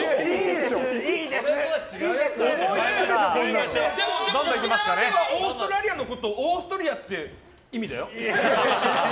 でも、沖縄ではオーストラリアのことオーストリアって意味だよ。